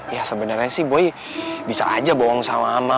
ya sebenarnya sih boy bisa aja bohong sama ama